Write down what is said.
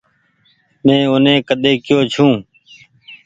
مين اوني ڪۮي ڪي يو ڇون۔